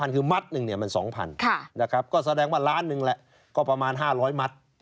คือมัดหนึ่งเนี่ยมัน๒๐๐นะครับก็แสดงว่าล้านหนึ่งแหละก็ประมาณ๕๐๐มัตต์